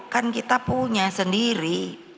kan kita punya sendiri